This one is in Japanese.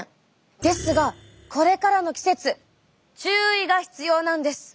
ですがこれからの季節注意が必要なんです。